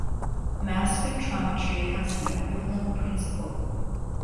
Mass spectrometry has an equivalent principle.